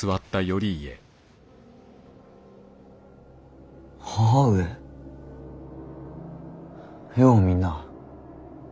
ようみんな。